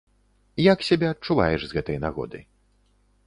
Як сябе адчуваеш з гэтай нагоды?